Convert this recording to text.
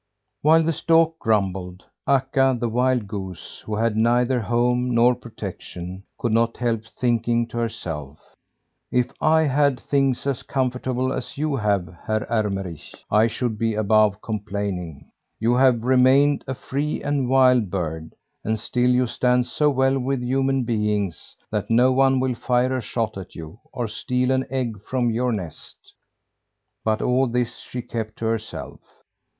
While the stork grumbled, Akka, the wild goose who had neither home nor protection, could not help thinking to herself: "If I had things as comfortable as you have, Herr Ermenrich, I should be above complaining. You have remained a free and wild bird; and still you stand so well with human beings that no one will fire a shot at you, or steal an egg from your nest." But all this she kept to herself.